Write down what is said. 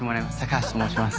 橋と申します。